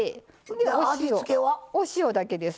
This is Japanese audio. お塩だけです。